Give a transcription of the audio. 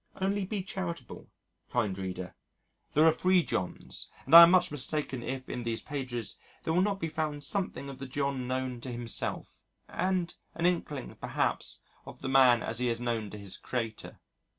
Only be charitable, kind reader. There are three Johns, and I am much mistaken if in these pages there will not be found something of the John known to himself, and an inkling, perhaps, of the man as he is known to his Creator.